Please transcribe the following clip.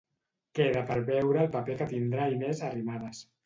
Queda per veure el paper que tindrà Inés Arrimadas.